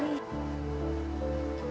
baik silahkan duduk